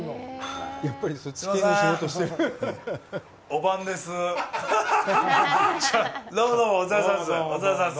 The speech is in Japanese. おばんですー。